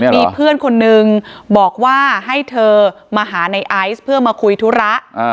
มีเพื่อนคนนึงบอกว่าให้เธอมาหาในไอซ์เพื่อมาคุยธุระ